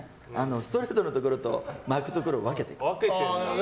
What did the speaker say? ストレートのところと巻くところを分けてるの。